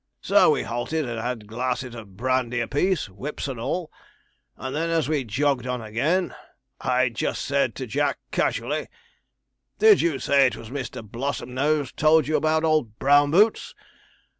So we halted, and had glasses of brandy apiece, whips and all; and then, as we jogged on again, I just said to Jack casually, "Did you say it was Mr. Blossomnose told you about old Brown Boots?"